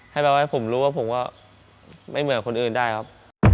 แปลว่าให้ผมรู้ว่าผมก็ไม่เหมือนคนอื่นได้ครับ